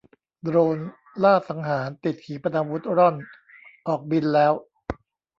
โดรนล่าสังหารติดขีปนาวุธร่อนออกบินแล้ว